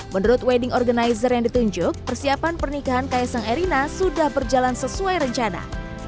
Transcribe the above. menurut wedding organizer yang ditunjuk persiapan pernikahan kaisang erina sudah berjalan sesuai rencana